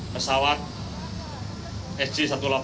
pesawat sj satu ratus delapan puluh